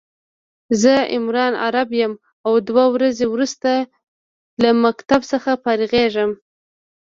زه عمران عرب يم او دوه ورځي وروسته له مکتب څخه فارغيږم